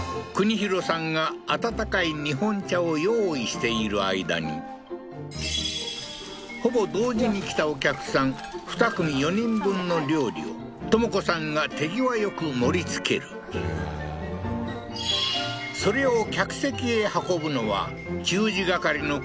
大さんが温かい日本茶を用意している間にほぼ同時に来たお客さん２組４人分の料理を知子さんが手際よく盛り付けるそれを客席へ運ぶのは給仕係の國